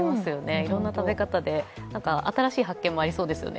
いろんな食べ方で、なんか新しい発見もありそうですよね。